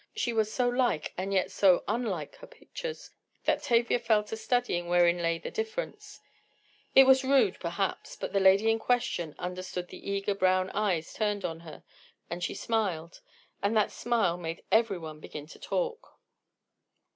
She was so like, and yet so unlike her pictures, that Tavia fell to studying wherein lay the difference. It was rude, perhaps, but the lady in question, understood the eager brown eyes turned on her, and she smiled. And that smile made everyone begin to talk.